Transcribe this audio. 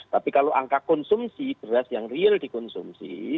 tapi kalau angka konsumsi beras yang real dikonsumsi